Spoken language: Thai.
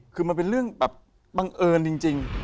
คือมันเป็นเรื่องแบบบังเอิญจริง